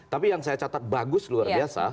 tapi yang saya catat bagus luar biasa